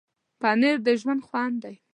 پنېر د ژوند خوند دی.